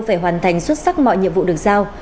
phải hoàn thành xuất sắc mọi nhiệm vụ được giao